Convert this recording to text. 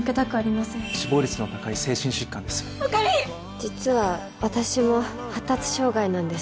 実は私も発達障害なんです。